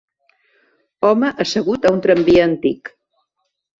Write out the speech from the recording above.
Home assegut a un tramvia antic.